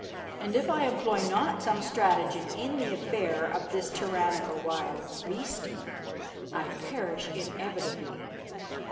and if I employ not some stratagem in the affair of this tyrannical wild beast, I perish inevitably.